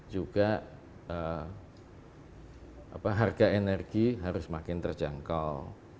juga harga energi harus makin terjangkau